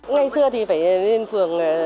ngày xưa thì phải lên phường